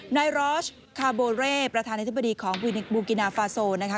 นายรอชคาโบเร่ประธานาธิบดีของบูกินาฟาโซนะคะ